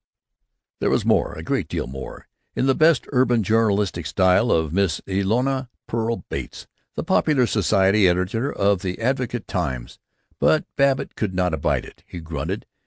There was more, a great deal more, in the best urban journalistic style of Miss Elnora Pearl Bates, the popular society editor of the Advocate Times. But Babbitt could not abide it. He grunted.